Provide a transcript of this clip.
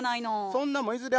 そんなもんいずれ